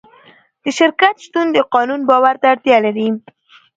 د شرکت شتون د قانون باور ته اړتیا لري.